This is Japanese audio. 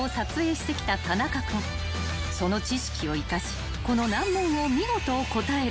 ［その知識を生かしこの難問を見事答える］